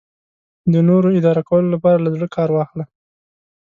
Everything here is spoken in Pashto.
د نورو اداره کولو لپاره له زړه کار واخله.